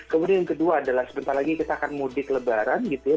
kemudian yang kedua adalah sebentar lagi kita akan mudik lebaran gitu ya